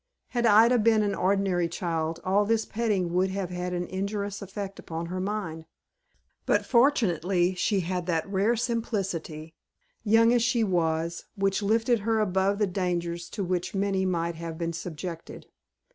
Had Ida been an ordinary child, all this petting would have had an injurious effect upon her mind. But, fortunately she had that rare simplicity, young as she was, which lifted her above the dangers to which many might have been subjected.